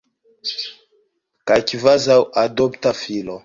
Kaj kvazaŭ adopta filo.